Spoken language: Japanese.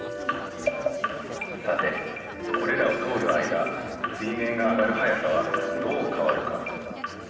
さてこれらを通るあいだ水面が上がる速さはどう変わるか？